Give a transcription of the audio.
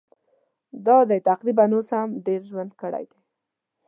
دا دی تقریباً اوس مې هم ډېر ژوند کړی دی.